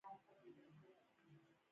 د میوو کیک په کلیزو کې پخیږي.